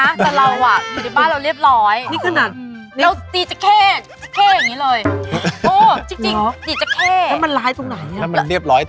แต่เราอยู่ในบ้านเรียบร้อย